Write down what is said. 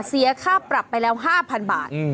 เสียค่าปรับไปแล้ว๕๐๐บาท